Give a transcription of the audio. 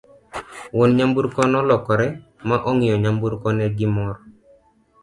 wuon nyamburko nolokore ma ong'iyo nyamburko ne gi mor